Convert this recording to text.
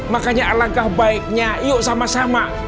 makanya alangkah baiknya yuk sama sama